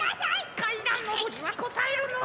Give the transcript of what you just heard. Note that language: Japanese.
かいだんのぼりはこたえるのう。